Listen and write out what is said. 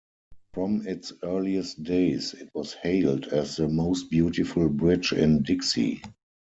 From its earliest days, it was hailed as The Most Beautiful Bridge in Dixie.